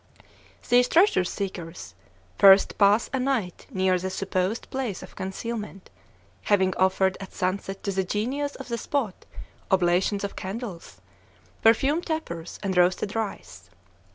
These treasure seekers first pass a night near the supposed place of concealment, having offered at sunset to the genius of the spot oblations of candles, perfumed tapers, and roasted rice.